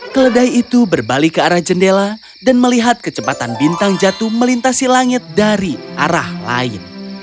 keledai itu berbalik ke arah jendela dan melihat kecepatan bintang jatuh melintasi langit dari arah lain